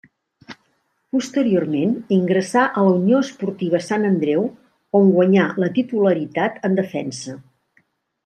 Posteriorment ingressà a la Unió Esportiva Sant Andreu on guanyà la titularitat en defensa.